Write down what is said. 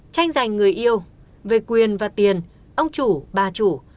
tranh giành người yêu về quyền và tiền ông chủ bà chủ